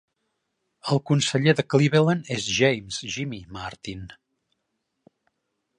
El conseller de Cleland és James "Jimmy" Martin.